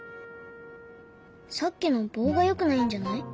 さっきの棒がよくないんじゃない？